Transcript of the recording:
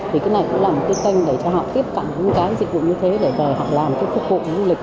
thì cái này cũng là một cái kênh để cho họ tiếp cận những cái dịch vụ như thế để về họ làm cái phục vụ du lịch